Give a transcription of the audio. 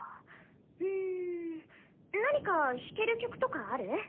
うん何か弾ける曲とかある？